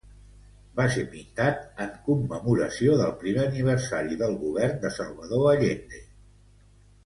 Va ser pintat en commemoració del primer aniversari del govern de Salvador Allende.